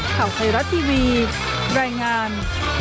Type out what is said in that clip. ข่าวไทยรัฐทีวีรายงาน